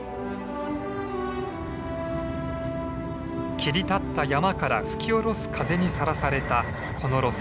切り立った山から吹き下ろす風にさらされたこの路線。